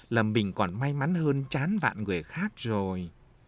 là mình còn may mắn hơn chán vạn người khác rồi